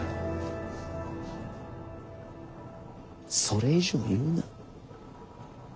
それ以上言うな。